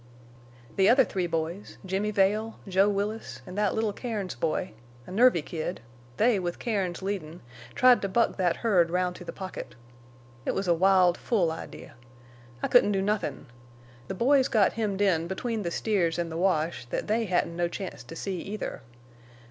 "The other three boys—Jimmy Vail, Joe Willis, an' thet little Cairns boy—a nervy kid! they, with Cairns leadin', tried to buck thet herd round to the pocket. It was a wild, fool idee. I couldn't do nothin'. The boys got hemmed in between the steers an' the wash—thet they hedn't no chance to see, either.